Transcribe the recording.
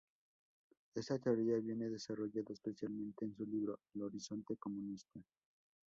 Esta teoría viene desarrollada especialmente en su libro “El Horizonte Comunista.